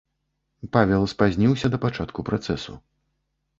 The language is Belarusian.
Павел спазніўся да пачатку працэсу.